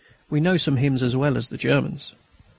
We know some hymns as well as the Germans."